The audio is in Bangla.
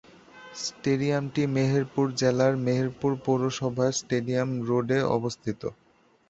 স্টেডিয়ামটি মেহেরপুর জেলার মেহেরপুর পৌরসভার স্টেডিয়াম রোডে অবস্থিত।